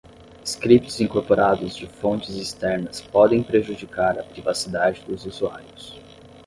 Scripts incorporados de fontes externas podem prejudicar a privacidade dos usuários.